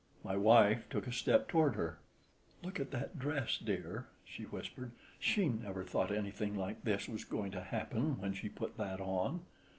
My wife took a step toward her. "Look at that dress, dear," she whispered; "she never thought anything like this was going to happen when she put that on."